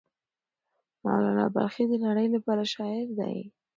مولانا بلخي د نړۍ لپاره شاعر دی.